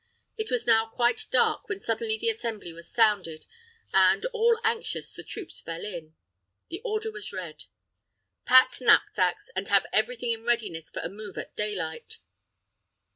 It was now quite dark, when suddenly the assembly was sounded, and, all anxious, the troops fell in. The order was read: "Pack knapsacks, and have every thing in readiness for a move at daylight."